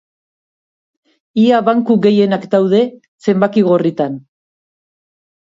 Ia banku gehienak daude zenbaki gorritan.